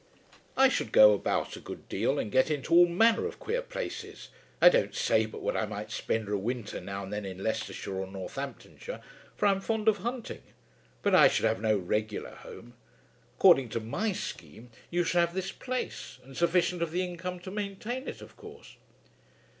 I should go about a good deal, and get into all manner of queer places. I don't say but what I might spend a winter now and then in Leicestershire or Northamptonshire, for I am fond of hunting. But I should have no regular home. According to my scheme you should have this place, and sufficient of the income to maintain it of course."